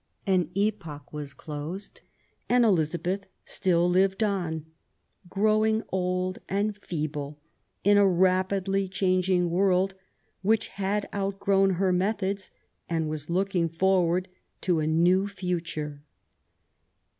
An epoch was closed, and Elizabeth still lived on, growing old and feeble in a rapidly changing world, which had outgrown her methods, and was looking forward to a new future.